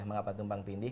mengapa tumpang tindih